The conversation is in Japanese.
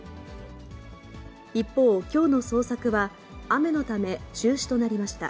一方、きょうの捜索は、雨のため中止となりました。